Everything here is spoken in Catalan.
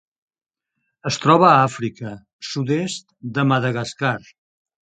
Es troba a Àfrica: sud-est de Madagascar.